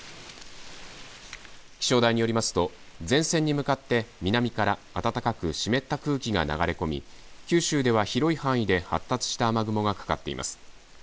気象台によりますと前線に向かって南から暖かく湿った空気が流れ込み九州では広い範囲で発達した雨雲がかかっています。